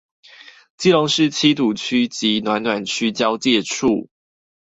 基隆市七堵區及暖暖區交界處